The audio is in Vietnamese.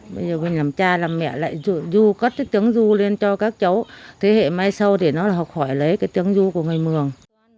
bây giờ mình làm cha làm mẹ lại ru cất cái tiếng ru lên cho các cháu thế hệ mai sau để nó học hỏi lấy cái tiếng ru của người mường